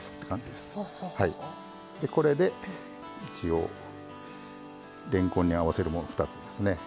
でこれで一応れんこんに合わせるもの２つですね